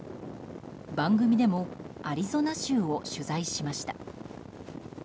番組でもアリゾナ州を取材しました。